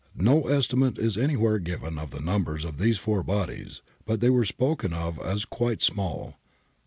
No estimate is anywhere given of the numbers of these four bodies, but they are spoken of as quite small.